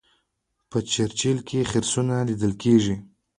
په چرچیل کې خرسونه لیدل کیږي.